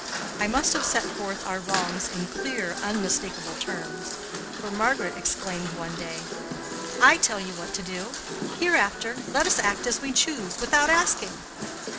I must have set forth our wrongs in clear, unmistakable terms; for Margaret exclaimed one day, "I tell you what to do. Hereafter let us act as we choose, without asking."